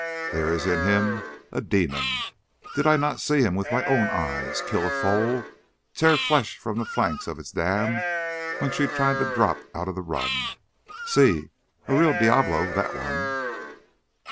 There is in him a demon. Did I not see him, with my own eyes, kill a foal, tear flesh from the flanks of its dam when she tried to drop out of the run? Sí—a real diablo, that one!"